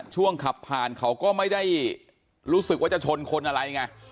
ช่วงขับผ่านเขาก็ไม่ได้รู้สึกว่าจะชนคนอะไรไง